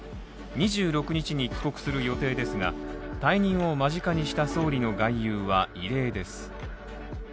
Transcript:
２６日に帰国する予定ですが、退任を間近にした総理の外遊は異例です。